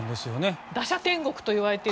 打者天国といわれている。